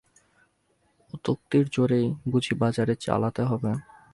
অত্যুক্তির জোরেই বুঝি বাজারে চালাতে হবে?